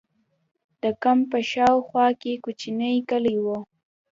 د کمپ په شا او خوا کې کوچنۍ کلي وو.